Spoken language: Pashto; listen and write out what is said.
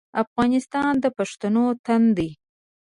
افغانستان د پښتنو تن دی